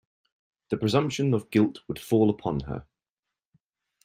The presumption of guilt would fall upon her.